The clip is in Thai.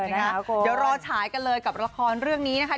เดี๋ยวรอฉายกันเลยกับละครเรื่องนี้นะคะ